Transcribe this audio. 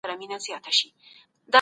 زلمي هیوادمل د څېړني پر ارزښت وغږېد.